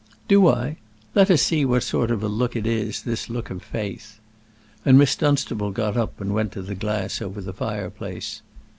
"Do I? Let us see what sort of a look it is, this look of faith." And Miss Dunstable got up and went to the glass over the fire place.